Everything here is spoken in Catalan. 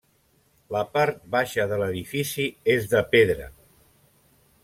La part baixa de l'edifici és de pedra.